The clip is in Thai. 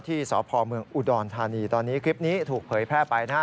ที่สพเมืองอุดรธานีตอนนี้คลิปนี้ถูกเผยแพร่ไปนะฮะ